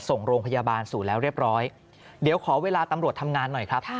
ส่งโรงพยาบาลศูนย์แล้วเรียบร้อยเดี๋ยวขอเวลาตำรวจทำงานหน่อยครับ